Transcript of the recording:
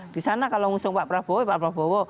di sana kalau ngusung pak prabowo pak prabowo